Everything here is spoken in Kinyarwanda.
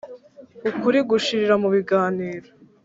Ukuri gushirira mu biganiro.